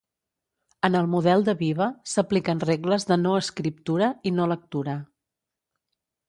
En el model de Biba, s'apliquen regles de no-escriptura i no-lectura.